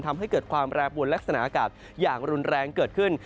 ทำให้เกิดความแปรปวนลักษณะอากาศอย่างรุนแรงเกิดขึ้น